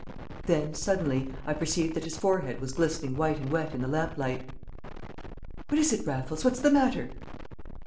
Then, suddenly, I perceived that his forehead was glistening white and wet in the lamplight. "What is it, Raffles? What's the matter?"